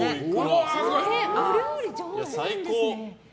お料理上手なんですね。